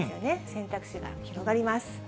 選択肢が広がります。